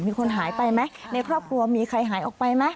มีคนหายไปไหมในครอบครัวมีใครหายออกไปไหม